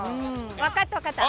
わかったわかった！